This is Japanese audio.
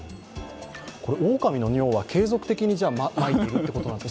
おおかみの尿は継続的にまいてるということですか？